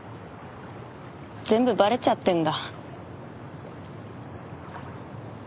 全部バレちゃってんだ。